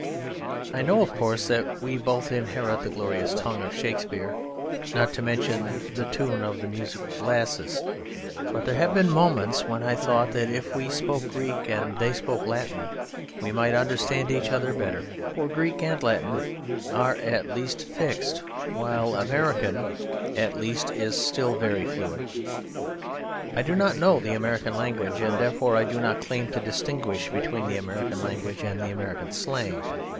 I know, of course, that we both inherit the glorious tongue of Shakespeare, not to mention the tune of the musical glasses; but there have been moments when I thought that if we spoke Greek and they spoke Latin we might understand each other better. For Greek and Latin are at least fixed, while American at least is still very fluid. I do not know the American language, and therefore I do not claim to distinguish between the American language and the American slang.